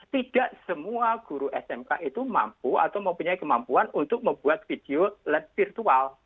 tidak semua guru smk itu mampu atau mempunyai kemampuan untuk membuat video virtual